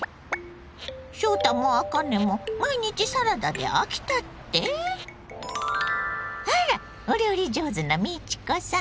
翔太もあかねも毎日サラダで飽きたって⁉あらお料理上手な美智子さん！